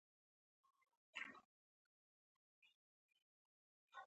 هغوی د سړک پر غاړه د خوږ کوڅه ننداره وکړه.